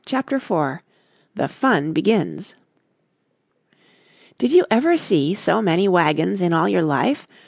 CHAPTER IV THE FUN BEGINS "Did you ever see so many wagons in all your life?